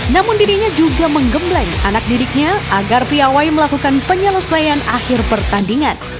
namun dirinya juga menggembleng anak didiknya agar piawai melakukan penyelesaian akhir pertandingan